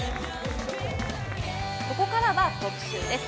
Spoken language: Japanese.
ここからは特集です。